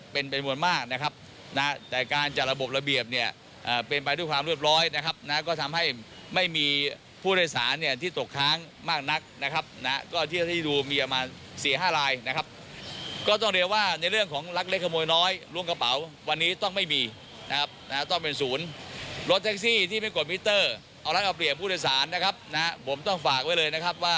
เป็นเป็นมวลมากนะครับนะแต่การจัดระบบระเบียบเนี่ยเป็นไปด้วยความเรียบร้อยนะครับนะก็ทำให้ไม่มีผู้โดยสารเนี่ยที่ตกค้างมากนักนะครับนะก็เที่ยวที่ดูมีประมาณสี่ห้าลายนะครับก็ต้องเรียกว่าในเรื่องของรักเล็กขโมยน้อยล้วงกระเป๋าวันนี้ต้องไม่มีนะครับนะต้องเป็นศูนย์รถแท็กซี่ที่ไม่กดมิเตอร์เอารัฐเอาเปรียบผู้โดยสารนะครับนะผมต้องฝากไว้เลยนะครับว่า